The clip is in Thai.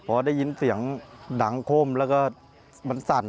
พอได้ยินเสียงดังคมแล้วก็มันสั่น